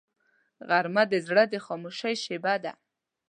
غرمه د زړه د خاموشۍ شیبه ده